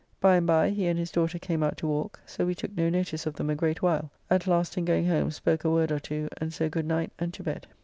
By and by he and his daughter came out to walk, so we took no notice of them a great while, at last in going home spoke a word or two, and so good night, and to bed.